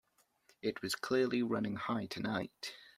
It was clearly running high tonight.